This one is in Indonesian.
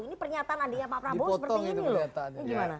ini pernyataan adiknya pak prabowo seperti ini loh